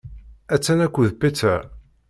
Attan akked Peter.